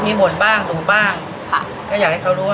มีขอเสนออยากให้แม่หน่อยอ่อนสิทธิ์การเลี้ยงดู